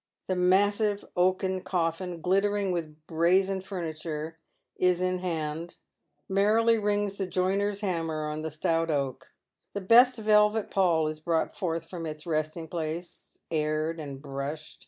The massive oaken coflBn, glittering with brazen furniture, is in hand, — merrily rings the joiner's hammer on the stout oak. The best velvet pall is brought forth from its resting place, aired and brushed.